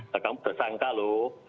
kamu tersangka loh